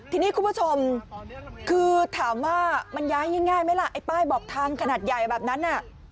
ทีนี้คุณผู้ชมคือถามว่ามันย้ายง่ายไหมล่ะไอ้ป้ายบอกทางขนาดใหญ่แบบนั้นน่ะ